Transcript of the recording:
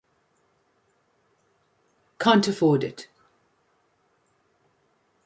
Can't afford it.